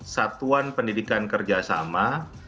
satuan pendidikan kerjasama